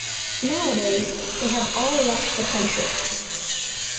Nowadays they have all left the country.